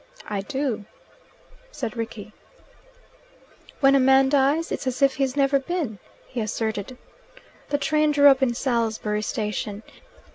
"I do," said Rickie. "When a man dies, it's as if he's never been," he asserted. The train drew up in Salisbury station.